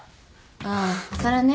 ああお皿ね。